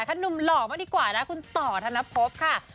ค่ะหนุ่มหล่อมาดีกว่าน่ะคุณตพค่ะ